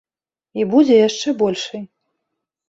І будзе яшчэ большай.